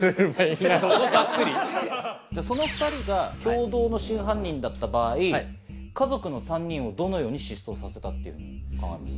その２人が共同の真犯人だった場合家族の３人をどのように失踪させたって考えます？